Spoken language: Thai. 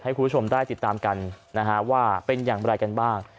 ให้คุณผู้ชมได้ติดตามกันนะฮะว่าเป็นอย่างไรกันบ้าง